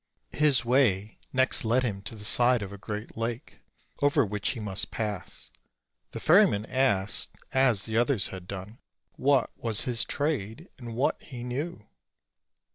His way next led him to the side of a great lake, over which he must pass. The ferryman asked, as the others had done, what was his trade, and what he knew.